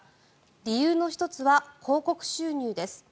理由の１つは広告収入です。